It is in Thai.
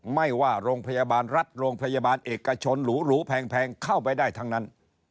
ไม่ว่าโรงพยาบาลรัฐโรงพยาบาลเอกชนหรูแพงเข้าไปได้ทั้งนั้น